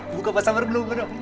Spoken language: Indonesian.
buka puasa bareng dulu